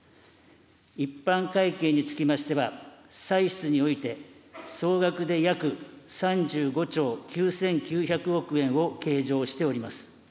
一般会計につきましては、歳出において、総額で約３５兆９９００億円を計上しております。